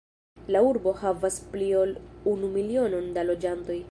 La urbo havas pli ol unu milionon da loĝantoj.